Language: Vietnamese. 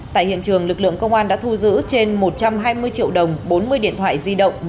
tại hiện trường lực lượng công an đã thu giữ trên một trăm hai mươi triệu đồng bốn mươi điện thoại di động